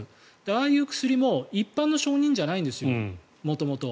ああいう薬も一般の承認じゃないんです、元々。